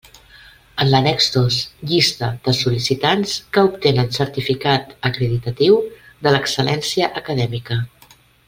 En l'annex dos, llista de sol·licitants que obtenen certificat acreditatiu de l'excel·lència acadèmica.